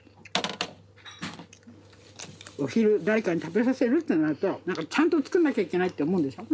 お昼誰かに食べさせるってなるとちゃんと作んなきゃいけないって思うんでしょ。